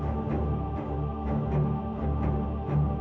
lumayan buat ongkos ke jakarta